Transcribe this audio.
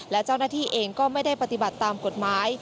และเจ้าหน้าที่เองก็ไม่ได้ปฏิบัติตามกฎหมาย